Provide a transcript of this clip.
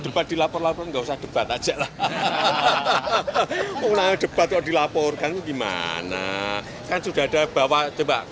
debat dilaporkan dosa debat ajalah hahaha udah debat dilaporkan gimana kan sudah ada bawah tebak